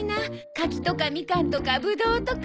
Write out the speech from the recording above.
カキとかミカンとかブドウとか。